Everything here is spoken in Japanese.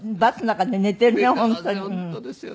本当ですよね。